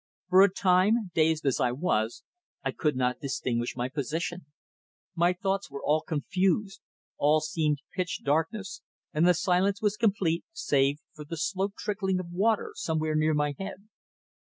For a time, dazed as I was, I could not distinguish my position. My thoughts were all confused; all seemed pitch darkness, and the silence was complete save for the slow trickling of water somewhere near my head.